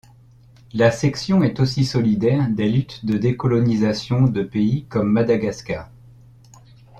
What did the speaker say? La section est aussi solidaire des luttes de décolonisation de pays comme Madagascar.